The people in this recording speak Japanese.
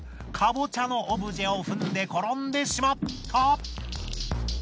カボチャのオブジェを踏んで転んでしまった。